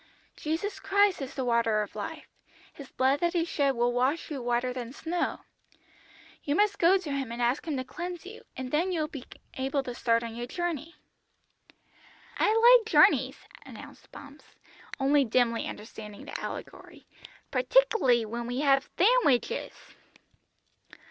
"Jesus Christ is the Water of Life, His blood that He shed will wash you whiter than snow. You must go to Him and ask Him to cleanse you, and then you will be able to start on your journey." "I like journeys," announced Bumps, only dimly understanding the allegory, "partic'ly when we have thandwiches."